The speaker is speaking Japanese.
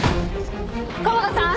鴨田さん？